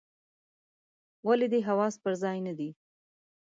ولي دي حواس پر ځای نه دي ؟